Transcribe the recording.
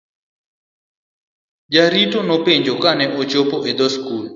Jarito nopenje kane ochopo e dhoo skul.